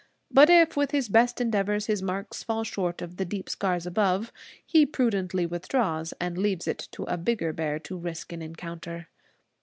But if, with his best endeavors, his marks fall short of the deep scars above, he prudently withdraws, and leaves it to a bigger bear to risk an encounter.